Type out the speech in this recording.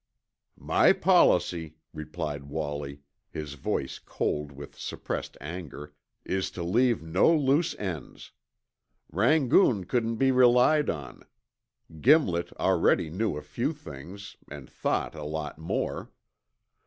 "My policy," replied Wallie, his voice cold with suppressed anger, "is to leave no loose ends. Rangoon couldn't be relied on. Gimlet already knew a few things, an' thought a lot more.